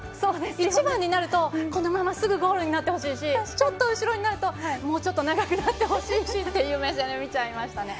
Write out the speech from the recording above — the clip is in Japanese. １番になると、このまますぐゴールになってほしいしちょっと後ろになるともうちょっと長くほしいしっていう目線で見てしまいました。